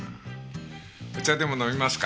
お茶でも飲みますか？